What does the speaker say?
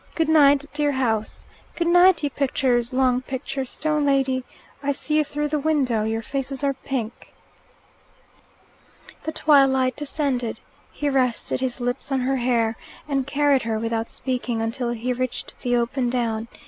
"Goodnight, dear house. Good night, you pictures long picture stone lady. I see you through the window your faces are pink." The twilight descended. He rested his lips on her hair, and carried her, without speaking, until he reached the open down.